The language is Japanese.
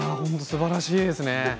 すばらしいですね。